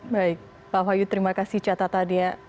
baik pak wahyu terima kasih catatannya